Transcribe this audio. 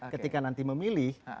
ketika nanti memilih